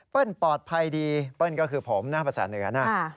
ปลอดภัยดีเปิ้ลก็คือผมนะภาษาเหนือนะ